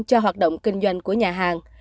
cho hoạt động kinh doanh của nhà hàng